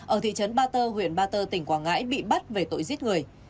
ở thị trấn ba tơ huyện ba tơ tỉnh quảng ngãi bị bắt về tội giết người